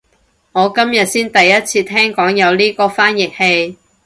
我今日先第一次聽講有呢個翻譯器